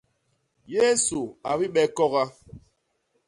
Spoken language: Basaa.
Yésu a bibek koga.